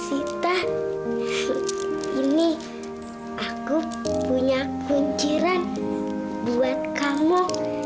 sita ini aku punya kunciran buat kamu